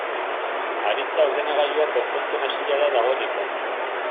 Aritza ordenagailua konpontzen hasia da dagoeneko.